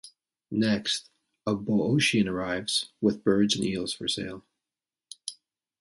Next a Boeotian arrives with birds and eels for sale.